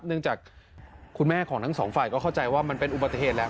เนื่องจากคุณแม่ของทั้งสองฝ่ายก็เข้าใจว่ามันเป็นอุบัติเหตุแหละ